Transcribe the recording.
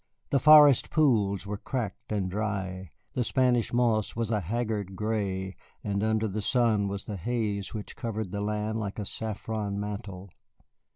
The forest pools were cracked and dry, the Spanish moss was a haggard gray, and under the sun was the haze which covered the land like a saffron mantle.